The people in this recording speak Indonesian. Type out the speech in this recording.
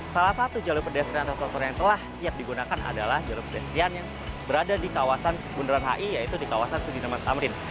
salah satu jalur pedestrian atau trotoar yang telah siap digunakan adalah jalur pedestrian yang berada di kawasan bundaran hi yaitu di kawasan sudina mas tamrin